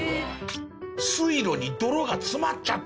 水路に泥が詰まっちゃった！